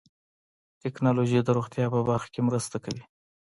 ټکنالوجي د روغتیا په برخه کې مرسته کوي.